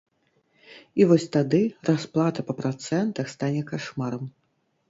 І вось тады расплата па працэнтах стане кашмарам.